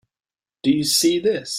Do you see this?